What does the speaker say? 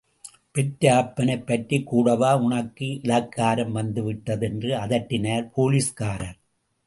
பெற்ற அப்பனைப் பற்றிக் கூடவா உனக்கு இளக்காரம் வந்துவிட்டது என்று அதட்டினார் போலீஸ்காரர்.